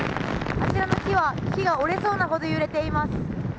あちらの木は折れそうなほど揺れています。